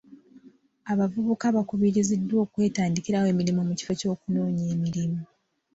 Abavubuka baakubiriziddwa okwetandikirawo emirimu mu kifo ky'okunoonya emirimu.